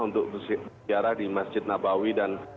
untuk berziarah di masjid nabawi dan